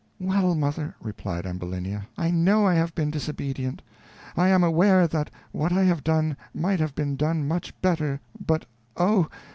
"Well, mother," replied Ambulinia, "I know I have been disobedient; I am aware that what I have done might have been done much better; but oh!